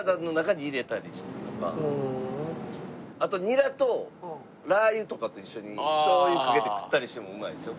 あとニラとラー油とかと一緒に醤油かけて食ったりしてもうまいですよ。